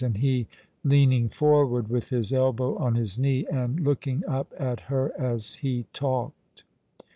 ^ 67 and be leaning forward with his elbow on his knee, and looking up at her as be talked.